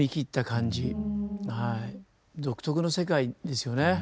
独特の世界ですよね。